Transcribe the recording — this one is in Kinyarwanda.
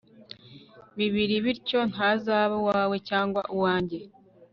bibiri bityo ntazaba uwawe cyangwa uwange